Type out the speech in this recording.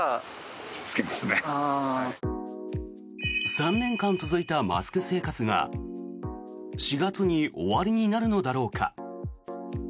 ３年間続いたマスク生活が４月に終わりになるのだろうか。